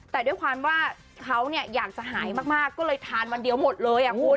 แต่ด้วยความว่าเขาอยากจะหายมากก็เลยทานวันเดียวหมดเลยคุณ